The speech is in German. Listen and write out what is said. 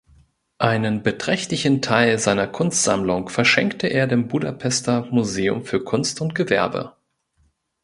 Einen beträchtlichen Teil seiner Kunstsammlung verschenkte er dem Budapester Museum für Kunst und Gewerbe.